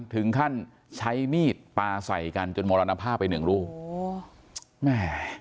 ถึงขั้นใช้มีดปลาใส่กันจนมรณภาพไปหนึ่งลูกโอ้แม่